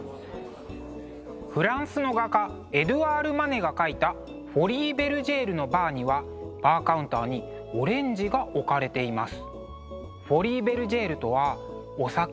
フランスの画家エドゥアール・マネが描いた「フォリー・ベルジェールのバー」にはバーカウンターにオレンジが置かれています。